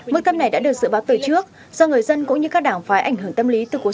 mức thấp này đã được dự báo từ trước do người dân cũng như các đảng phải ảnh hưởng tâm lý từ cuộc